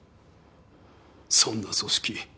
そんな組織